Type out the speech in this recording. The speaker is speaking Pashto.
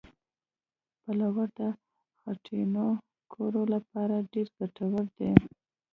پلوړ د خټینو کورو لپاره ډېر ګټور دي